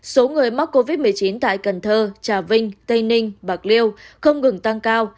số người mắc covid một mươi chín tại cần thơ trà vinh tây ninh bạc liêu không ngừng tăng cao